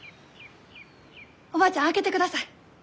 おばあちゃん開けてください。